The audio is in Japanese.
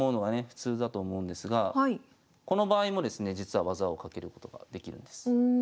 普通だと思うんですがこの場合もですね実は技をかけることができるんです。